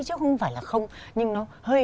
chứ không phải là không nhưng nó hơi